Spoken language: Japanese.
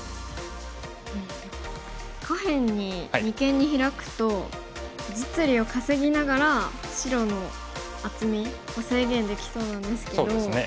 下辺に二間にヒラくと実利を稼ぎながら白の厚みを制限できそうなんですけど。